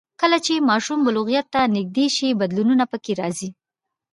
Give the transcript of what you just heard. کله چې ماشوم بلوغیت ته نږدې شي، بدلونونه پکې راځي.